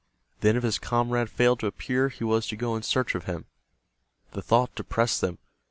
Then if his comrade failed to appear he was to go in search of him. The thought depressed them.